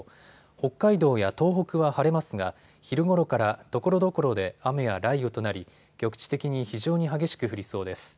北海道や東北は晴れますが昼ごろからところどころで雨や雷雨となり局地的に非常に激しく降りそうです。